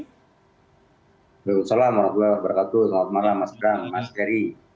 waalaikumsalam warahmatullahi wabarakatuh selamat malam mas kang mas heri